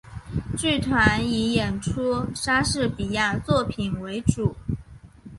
剧团以演出莎士比亚作品为主。